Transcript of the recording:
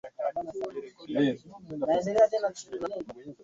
Mara ni mkoa wenye makabila mengi zaidi nchini Tanzania sehemu ya kwanza